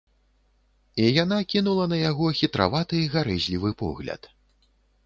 І яна кінула на яго хітраваты гарэзлівы погляд.